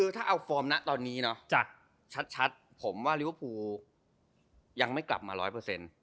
ถ้าเอาฟอร์มนะตอนนี้ฉัดผมว่าลิวบูยังไม่กลับมาร้อยเปอร์เซ็นต์